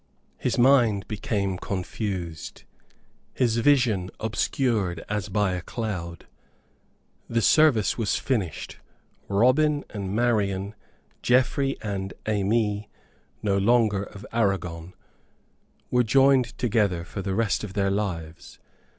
His mind became confused, his vision obscured as by a cloud. The service was finished. Robin and Marian, Geoffrey and Aimée (no longer of Aragon) were joined together for the rest of their lives.